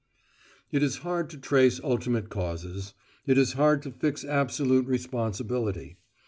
It is hard to trace ultimate causes. It is hard to fix absolute responsibility.